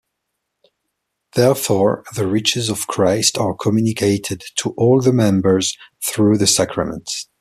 Therefore, the riches of Christ are communicated to all the members, through the sacraments.